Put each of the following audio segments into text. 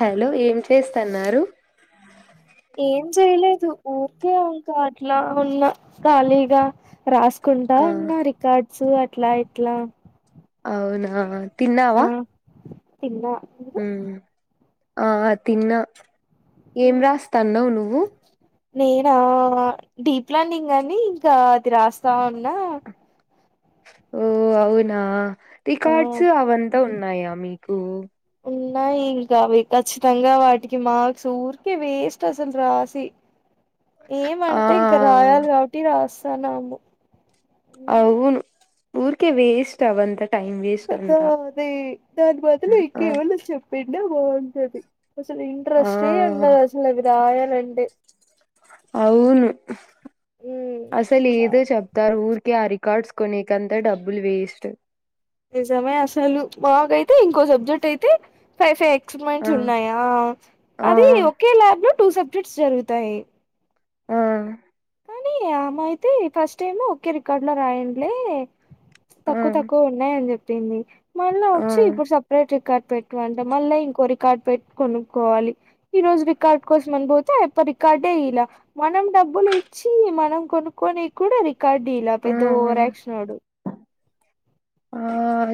Hello ఏం చేస్తన్నారు ఏం చేయలేదు ఊరికే ఇంకా అట్లా ఉన్న ఖాళీగా రాస్ కుంటా ఆ ఉన్న రికార్డ్స్ అట్లా ఇట్లా అవునా తిన్నావా ఆ తిన్నా మ్మ్ ఆ తిన్నా, ఏం మీరు రాస్తాన్నావ్ నువ్వు. నేనా డీప్ లాండింగ్ గానీ ఇంకా అది రాస్తా ఉన్నా ఓ అవునా ఆ రికార్డ్స్ అవంతా ఉన్నాయా మీకు ఉన్నాయి ఇంకా అవి ఖచ్చితంగా వాటికి మార్క్స్ ఊరికే వేస్ట్ అసలు రాసి ఏం ఆ అంటే ఇంకా రాయాలి కాబట్టి రాస్తాన్నాము అవున్ ఊర్కె వేస్ట్ అవంత కదా అదీ దాని బదులు ఆ ఇకేవన్న చెప్పింటే బాగుంటది అసలు ఆ, ఇంట్రెస్టే ఉండదు అసలు అవి రాయాలంటే అవున్ ఉమ్ అసలు ఆ ఏదో చెప్తారు ఊరికే ఆ రి కార్డ్స్ కొనీకంతా డబ్బులు వేస్ట్ నిజమే అసలు మాకైతే ఇంకో సబ్జెక్ట్ అయితే ఫైవ్ ఫైవ్ ఆ ఎక్స్మెంట్స్ ఉన్నాయా, ఆ అదీ ఒకే ల్యాబ్ లో టూ సబ్జెక్ట్స్ జరుగుతాయి. ఆ కానీ ఆమయితే ఫస్ట్ టైమ్ ఒకే రికార్డ్లో రాయండ్లే ఆ తక్కువ తక్కువ ఉన్నాయని చెప్పింది మళ్ళా వచ్చి ఇప్పుడు సపరేట్ రికార్డ్ పెట్టు అంటే మళ్ళా ఇంకొ రి కార్డ్ పెట్ కొనుక్కోవాలి, ఈ రోజు రికార్డ్ కోసం అని బోతే అప్ప రికార్డే ఇయలా. మనం డ అబ్బులు ఇచ్చీ మనం కొనుక్కొని కూడా రికార్డ్ ఇయలా ఆ పెద్ద ఓవర్ ఆ యాక్షనోడు. ఆ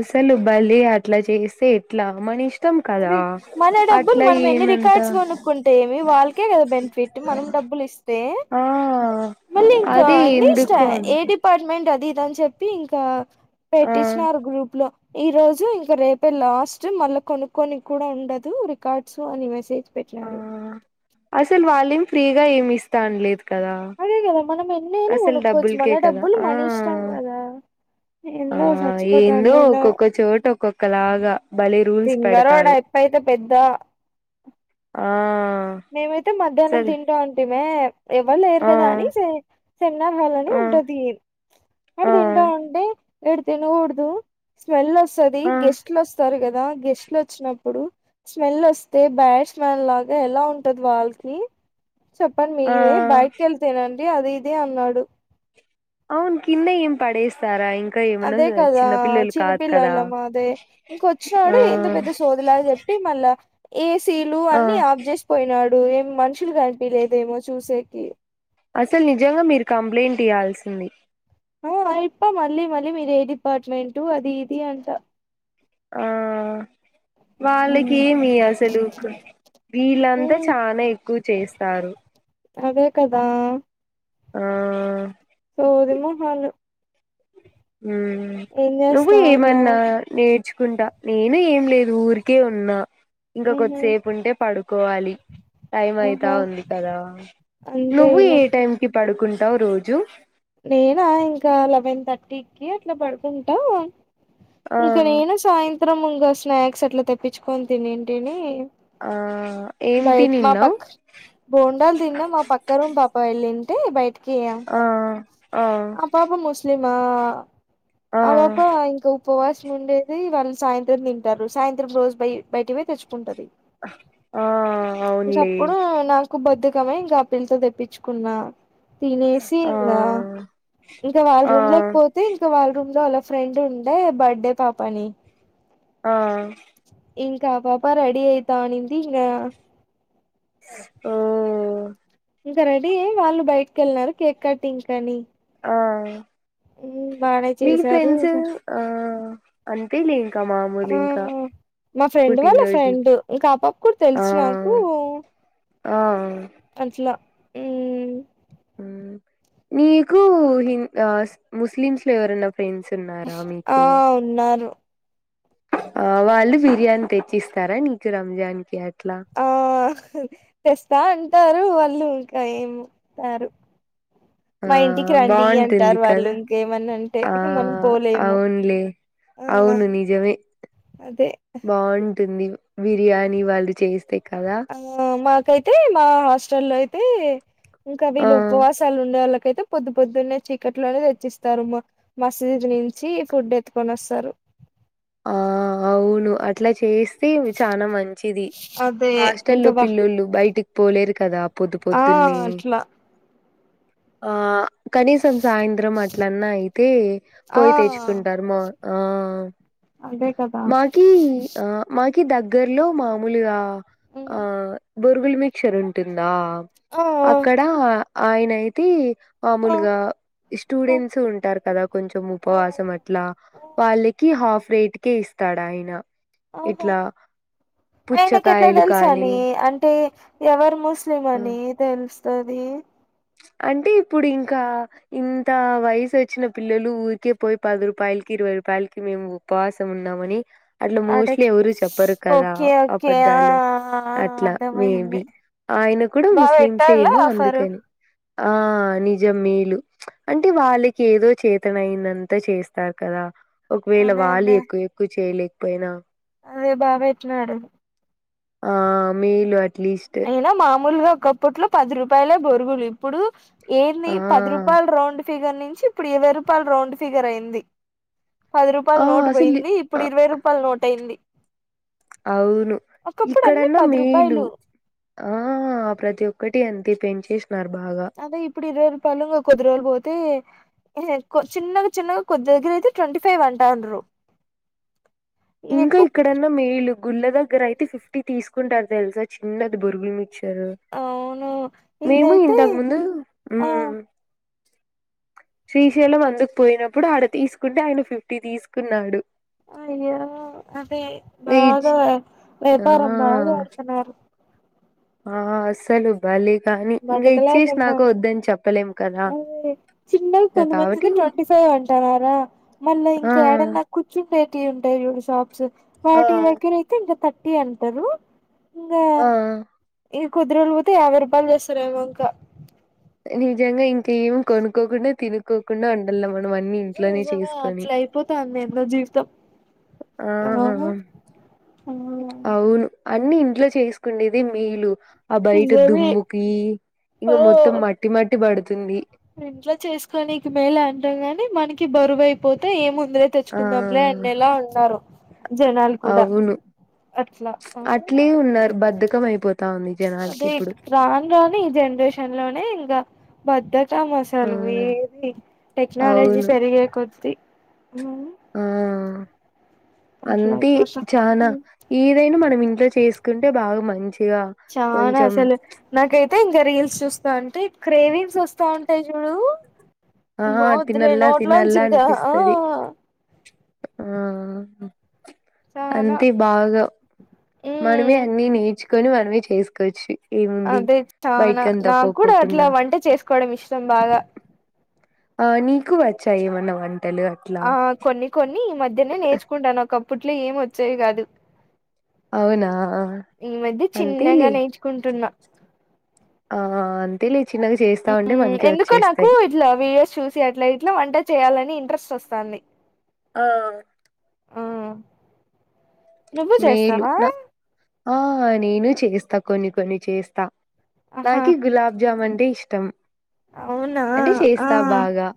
అసలు భలే అట్లా చేస్తే ఎట్లా మనీష్ అదే మన డబ్బులు మనం ఎన్ని ఏమంత రికార్డ్స్ కొనుక్కుంటే ఏమి, వాళ్ళకే కదా బెనిఫిట్ మనం డ. అబ్బులు ఇస్తే ఆ మళ్ళి ఇంకా అదే నీష్టా ఎందుకు అంత ఏ డిపట్మె డది ఇదని చెప్పి ఇంకా ఆ పెట్టిచ్చినారు గ్రూప్ లో ఈ రోజు ఇంకా రేపే లాస్ట్, మళ్ళా కొనుక్కొని కూడా ఉండదూ రికార్డ్స్ అని మెసేజ్. ఆ పెట్నారు అసలు వాళ్ళేం ఫ్రీ గా ఏమి ఇస్తాన్లేదు కదా, అదే కదా మనం ఎన్నైనా అసలు కొనుక్కోవచ్చు మన డబ్బులకే కదా, డబ్బులు ఆ. ఆ ఎండ ఏందో చచ్చిపోతన్నాయ్ నా ఒక్కొక్క చోట ఒక్కొక్కలాగా భలే రూల్స్ పెడతారు పెద్ద ఆ మేమైతే మధ్యాహ్నం సరే తింటా ఉంటిమే, ఎవ్వ లేరు ఆ కదా అనీ సె సినిమా హాల్లోనీ. ఆ ఉంటదీ అర్ ఆ దింటా ఉంటే ఈడ తినగూడదు, స్మెల్ ఒస్తది, ఆ గెస్ట్లు ఒస్తారు గ. రా గెస్ట్లు ఒచ్చినప్పుడు, స్మెల్ ఒస్తే బ్యాడ్ స్మెల్ లాగా ఎలా ఉన్. టది వాళ్కీ, చెప్పన్ ఆ మీరే బయట్కి ఎళ్ తినండి, అది ఇదీ అన్నాడు. అవున్ కింద ఏం పడేస్తారా ఇన్ అదే కదా చిన్నపిల్లలమా అదే ఆ ఇంకొచ్చినాడు ఏందో పెద్ద సోదిలాగా చెప్. ఈ మళ్ళ ఏ సీ లు ఆ అన్ని ఆఫ్ చేసి పోయినాడు, ఏం మనుషులు కనిపీలేదేమో చూసేకి. అసల్ నిజంగా మీరు కంప్లైయింట్ ఇయాల్సింది ఆ అయిప్ప మళ్ళీ మళ్ళీ మీరు ఏ డిపార్ట్మెంటు అది ఇది అంట ఆ వాళ్ళకి హ్మ్ ఏమి అసలు వీళ్ళంతా హ్మ్ చానా ఎక్కువ చేస్త తారు అదే కదా ఆ సోది మోహాలు మ్ నువ్వు చేస్తా ఏమన్నా ఉన్నావ్ నేట్ నచ్చుకుంటా నేను ఏం లేదు ఊరికే ఉన్నా ఇంకా ఉహు కొద్దిసేపు ఉంటే పడు కోవాలి టైం అయితా ఆహా ఉంది కదా, నువ్వు అంతేలే ఏ టైం కి పడుకున్. తవ్ రోజు నేనా ఇంకా లెవెన్ థర్టీకి అట్లా పడుకుంటాం ఆ ఇంకా నేను సాయంత్రం ఇంకా స్నాక్స్ అట్లా తెప్పించుకొని తినిన్ టిని ఆ ఏం బయట్ మా తినిన్నావ్ పక్క బోండాలు తిన్నా మా పక్క రూమ్ పాప వెళ్ళి టి బయట ఆ ఆ మా ఆ అలోపో ఇంకా పోవాల్సిన ఉండేది వాళ్ళు సాయంత్రం తింటారు సాయంత్రం రోజు బయ బయట పోయి తెచ్చుకుంటది ఆ అవునులే ఇంసప్పుడు నాకు బదు మ ఇంకా పిల్ తో తెప్పించుకున్నా తినేసి ఆ నా ఇంకా వాళ్ళ ఆ రూమ్ లోకి పోతే ఇంకా వాళ్ళ రూమ్ లో అలా ఫ్రెండ్ ఉండే బర్త్డే పాపని ఆ ఇంకా ఆ పాపా రెడి అయితా నింది ఇంగ ఆ ఇంకా రెడీ అయ్యి వాళ్ళు బయటకెళ్ళినారు కేక్ కట్టి ఇంగ్ అని ఆ బానే మీ చేసారు ఫ్రెండ్స్ ఆ అన్పిలే ఇంకా మామూలు ఆ ఇంకా మా ఫ్రెండ్ వాళ్ళ ఫ్రెండ్ పుట్టినరోజులకి ఇంకా ఆ పాప కూడా ఆ తెలుసు నాకు ఆ అట్లా మ్ నీకు హింద ఆ ముస్లిమ్స్ లో ఎవరన్నా ఫ్రెండ్స్ ఉన్నారా ఆ మీకు ఉన్నారు ఆ వాళ్ళు బిర్యానీ తెచ్చిస్తారా నీకు రంజాన్ కి అ ఆ తెస్తా అంటారు వాల్ వాళు ఇంకా ఏమో రారు ఆ బాంటుంది వాళ్ళు కదా ఇంకేమన్నా అంటే ఆ మనం పోలేము అవునులే ఆ అవును నిజమే అదే బాంటుంది బిర్యానీ వాళ్ళు చేస్తే కదా ఆ మాకైతే మా హాస్టల్లో అయితే ఇంకా ఆ వీళ్ళు ఉపవాసాలు ఉండే వాళ్ళ అయితే పొద్దు పొద్దున్న చికెట్ లోనే తెచ్చిస్తారు మసజద్ నుంచి ఫుడ్ ఎత్తుకొని వస్తారు ఆ అవును అట్లా చేస్తే ఇవి చానా మంచిది అదే హాస్టల్లో ఇంకా వా పిల్లోళ్లు బయటికి పోలేరు కదా పొద్దు ఆ పొద్దున్న అట్లా ఆ కనీసం సాయంత్రం అట్లన్నా అయితే ఆ పోయి తెచ్చుకుంటారు మ ఆ అదే కదా మాకి ఆ మాకి దగ్గర్లో మామూలుగా ఆ హ్మ్ బొరుగులు మిక్చర్ ఉంటుందా ఆ అక్కడ ఆయన అయితే ఆ మామూలుగా ఆ స్టూడెంట్స్ ఉంటారు కదా కొంచెం ఆ ఉపవాసం అట్లా వాళ్ళకి హాఫ్ వైట్ కే ఇస్తాడు ఆయన ఇట్లా ఆయనకు ఎట్లా పుచ్చకాయలు కానీ తెలుసని అంటే ఎవరు ముస్లిం ఆ అని తెలుసు అది అంటే ఇప్పుడు ఇంకా ఇంత వయసు వచ్చిన పిల్లలు ఊరికే పోయి పది రూపాయల్కి ఇరవై రూపాయలకి మేము ఉపవాసం ఉన్నామని అట్లా మోస్ట్లీ అడక్ ఎవరు చెప్పరు కదా ఓకే ఓకే ఆ అబద్ధాలు అట్లా అర్థమయింది మేబి ఆయన కూడా బాగా ముస్లిమ్స్ పెట్టాలా ఏమో ఆఫర్ అందుకని. ఆ నిజమీలు అంటే వాళ్ళకి ఏదో చేతనైదంత చేస్తారు కదా ఒకవేళ అదే వాలి అదే ఎక్కువ ఎక్కువ చేయలేకపోయినా అదే బా పెట్నాడు ఆ మేలు అట్లీస్ట్ అయినా మామూలుగా ఒకప్పట్లో పది రూపాయలే బొరుగులు ఇప్పుడు ఏంది ఆ పది రూపాయల రౌండ్ ఫిగర్ నుంచి ఇప్పుడు ఇరవై రూపాయల్ రౌండ్ ఫిగర్ అయింది. పది రూపాయల ఆ నోటు అసలు పోయింది ఆ ఇప్పుడు ఇరవై రూపాయల నోట్ అయింది. అవును ఒకప్పుడు అన్ని ఇక్కడన్న పది మేలు రూపాయలు ఆ ప్రతి ఒక్కటి అంతే పెంచేసి అదే ఇప్పుడు ఇరువై రూపాయలు ఇగ కొద్ది రోజులు పోతే చిన్నగా చిన్నగా కొద్ది దగ్గర అయితే ట్వంటీ ఫైవ్ అంటాన్రు. [inaudible] ఇంకా ఇక్కడన్నా మేలు గుళ్ళ దగ్గర అయితే ఫిఫ్టీ తీసుకుంటారు తెలుసా చిన్నది బొరుగులు మి అవును మేము ఇంగైతే ఇంతకు ముందు ఆ ఉమ్ శ్రీశైలం అందుకు పోయినప్పుడు ఆడ తీసుకుంటే ఆయన ఫిఫ్టీ తీసుకున్నాడు. యా అదే ఇంగ ఇచ్ బాగా వ్యా ఆ వ్యాపారం బాగా [inaudible] తున్నారు ఆ అసలు బలే కానీ ఇంగా ఇచ్చేసి నాక బతకలేకున్నాం వద్దని చెప్పలేము కదా అదే ఇక కావట్టి అంటన్నారా మళ్ళా ఇంకా యాడన్నా కూర్చుంటే టీ ఉంటాయి షాప్స్, ఆ వాటి దగ్గర అయితే ఇంకా థర్టీ అంటరు. ఆ ఆ ఇగ కొద్దిరోజులు పోతే యాభై రూపాయలు చేస్తారెమో ఇంక నిజంగా ఇంక ఏం కొనుక్కోకుండా తినుకోకుండా ఉండలేమో అవన్నీ ఇంట్లోనే నిజమే చేసుకొని అట్లా అయిపోతాంది ఏందో జీవితం ఆ అవును ఆ అవును అన్ని ఇంట్లో చేసుకుండేది మేలు. ఆ బయట నిజమే దుమ్ముకి ఆ ఇంక మొత్తం మట్టి మట్టి బడుతుంది. ఇంట్లో చేసుకోనికే మేలే అంటాం కాని మనకి బరువుయిపోతే ఏముం దిలే ఆ తెచ్చుకుందాంలే అన్నేలా ఉన్నారు. జనాలు కూడా అవును అట్లా ఆ అట్లే ఉన్నారు బద్ధకం అయిపోతా ఉంది జనాలకి అదే ఇప్పుడు రాను రాని ఈ జనరేషన్ లోనే ఇంగా బద్ద కం ఆ అసలు ఏది టెక్నాలజీ అవును పెరిగే కొద్దీ ఆ అట్లా అంతే అయిపోతా చానా ఏదైనా మనం ఇంట్లో చేసుకుంటే బాగా మంచి చానా అసలు నాకైతే ఇంగా రీల్స్ చూస్ తాంటే క్రేవింగ్స్ వస్తా ఉంటాయి చూడు. ఆ అమ్మో వద్దులే తినల్లా నోట్లోంచి తినల్లా ఇంకా ఆ అనిపిస్తది ఆ ఆహా చానా అంతే బాగా మనమే ఉమ్ అన్ని నేర్చుకొని మనమే చేసుకోవచ్చు. ఏముంది అదే చానా బయటకంతా నాకు కూడా అట్లా పోకోకుండా వంట చేసుకోవడం ఇష్టం బాగా ఆ నీకు వచ్చా ఏమన్న వం ఆ కొన్ని కొన్ని ఈ మధ్యనే నేర్చుకుంటానా ఒకప్పట్లో ఏం వచ్చేయి కాదు. అవునా ఈ మధ్య చిన్నగా అంతేలే నేర్చుకుంటున్నా. ఆ అంతేలే చిన్నగా చేస్తా ఉంటే మనకే ఎందుకో నాకు వచ్చేస్తాయి ఇట్లా వీడియోస్ చూసి అట్లా ఇట్లా వంట చేయాలని ఇంట్రెస్ట్ చస్తాది ఆ నువ్వు మేలు చేస్తావా నా ఆ నేను చేస్తా కొన్ని కొన్ని చేస్తా ఆహా నాకి గులాబ్జామున్ ఇష్టం అవునా అంటే ఆ చేస్తా బాగా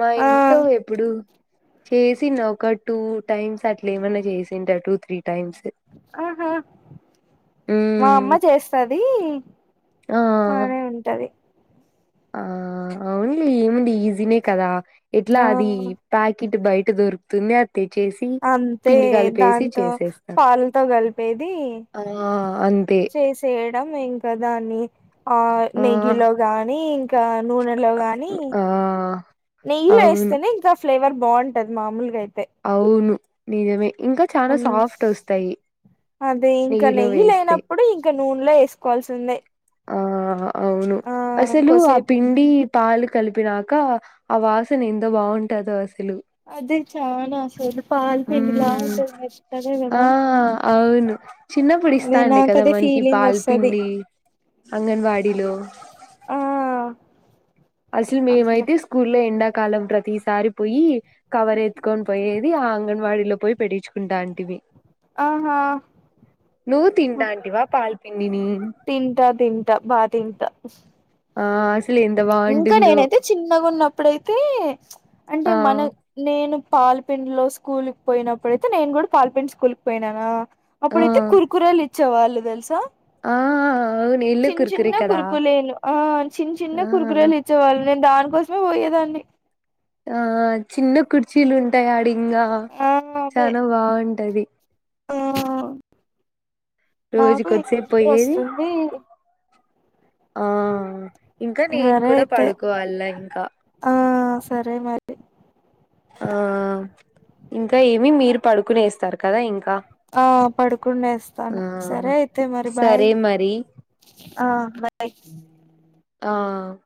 మా ఆ ఇంట్లో ఎప్పుడు చేసిన ఒక టూ టైమ్స్ అట్లా ఏమన్నా చేసింట టూ త్రీ టైమ్స్ ఆహా మా ఉమ్ అమ్మ చేస్తది ఆ మానే ఉంటది. ఆ అవునులే ఏముంది ఈజీనే కదా ఎట్లా ఆ అది ప్యాకిట్ బయట దొరుకుతుంది తే చేసి అంతే పిండి కలిపేసి దాంతో చేసేస్తాం పాలతో కలిపేది అలగా చేసేయడం ఇంకా దాని ఆ నెయ్యిలో గాని ఇంకా నూనెలో గాని ఆ నెయ్యిలో అవును ఎస్తేనే ఇంకా ఫ్లేవర్ బాగుంటది మామూలుగా అయితే అవును నిజమే ఇంకా చాలా హ్మ్. సాఫ్ట్ వస్తాయి అదే ఇంకా నెయ్యిలో నెయ్యి వేస్తే లేనప్పుడు ఇంక నూనెలో వేసుకోవాల్సి సిందే ఆ అవును అసలు ఆ కోసేపు పిండి పాలు కలిపినాక ఆ వాసన ఎంతో బాగుంటదో అసలు అదే చానా అసలు పాల్ పిండిలా ఉమ్ ఉంటది మెత్తగా ఆ కదా అవును చిన్నప్పుడు ఇస్తా అదే అండి నాకు కదా అదే మ ఫీలింగ్ ఈపాల్ వస్తది పిండి అంగన్వాడిలో ఆ అసలు అట్లే మేమైతే స్కూల్ లో ఎండా కాలం ప్రతిసారి పోయి కవర్ ఎత్తుకొని పోయేది ఆ అంగన్వాడీలో పోయి పెటించుకుంటాంటిమి ఆహా నువ్వు తిటాంటివా పాల్ తింటా తింటా బా తింటా ఆ అసలు ఎంత ఇంకా బాగుంటుందో నేనైతే చిన్నగున్నప్పుడు ఇప్పుడైతే అంటే ఆ మన నేను పాల పిండి లో స్కూల్కి పోయినప్పుడుయితే నేను కూడా పాలపిండి స్కూల్ కి పోయినానా ఆ అప్పుడైతే కురకురలు ఇచ్చేవాళ్ళు తెలుసా ఆ అవును ఎల్లో చిన్న చిన్న కుర్కురే కదా కురుకులేను ఆ చిన్న చిన్న ఆ కురుకు లెలు ఇచ్చేవాళ్ళు నేను దాని కోసమే పోయేదాన్ని ఆ చిన్న కుర్చీలు ఉంటాయి ఆడింగా ఆ అదే చాలా బాగుంట టది ఆ నాకు ఇ రోజుకొచ్చేపు పోయేది నిద్రోస్తుంది ఆ ఇంకా నేను సరే కూడా అయితే పడుకోవాల ఇంకా ఆ సరే మరి ఆ ఇంకా ఏమి మీరు పడుకునేస్తారు కదా ఇంకా ఆ ఆ పడుకునేస్తాను సరే అయితే మరి బాయ్ సరే మరి ఆ బాయ్ ఆ